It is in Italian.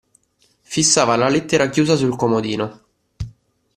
Fissava la lettera chiusa sul comodino.